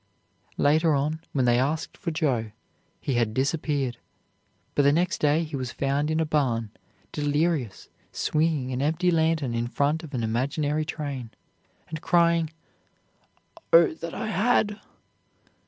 Later on, when they asked for Joe, he had disappeared; but the next day he was found in a barn, delirious, swinging an empty lantern in front of an imaginary train, and crying, "Oh, that I had!"